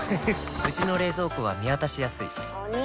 うちの冷蔵庫は見渡しやすいお兄！